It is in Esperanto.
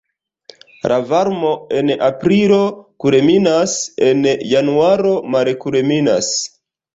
La varmo en aprilo kulminas, en januaro malkulminas.